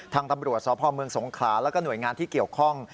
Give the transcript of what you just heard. ทางตำรวจสพเมืองสงขลาแล้วก็หน่วยงานที่เกี่ยวข้อง